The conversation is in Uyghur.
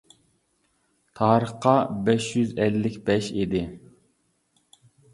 تارىخقا بەش يۈز ئەللىك بەش ئىدى.